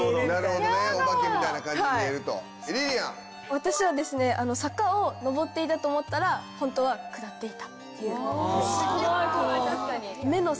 私はですね坂を上っていたと思ったら本当は下っていた。